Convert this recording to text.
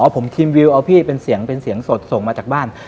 ผมทีมวิวเอาพี่เป็นเสียงเป็นเสียงสดส่งมาจากบ้าน